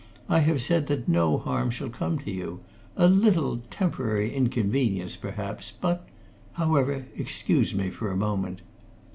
"I have said that no harm shall come to you a little temporary inconvenience, perhaps, but however, excuse me for a moment."